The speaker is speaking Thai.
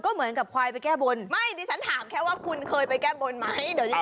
เฮ้ย